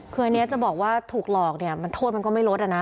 คืออันนี้จะบอกว่าถูกหลอกโทษมันก็ไม่ลดนะ